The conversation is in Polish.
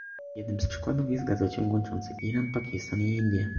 Jednym z przykładów jest gazociąg łączący Iran, Pakistan i Indie